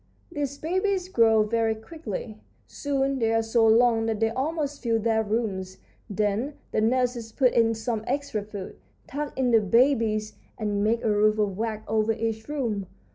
"These babies grow very quickly. Soon they are so long that they almost fill their rooms. Then the nurses put in some extra food, tuck in the babies, and make a roof of wax over each room.